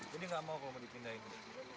jadi nggak mau mau dipindahin